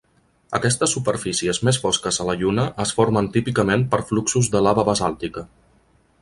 Aquestes superfícies més fosques a la Lluna es formen típicament per fluxos de lava basàltica.